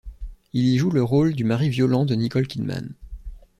Il y joue le rôle du mari violent de Nicole Kidman.